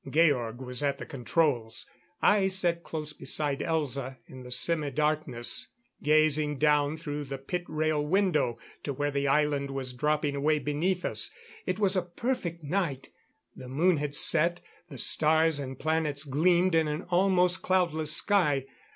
Georg was at the controls. I sat close beside Elza in the semi darkness, gazing down through the pit rail window to where the island was dropping away beneath us. It was a perfect night; the moon had set; the stars and planets gleamed in an almost cloudless sky.